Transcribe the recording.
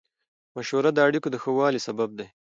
مشوره د اړیکو د ښه والي سبب دی.